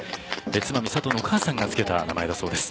妻・美里のお母さんがつけた名前だそうです。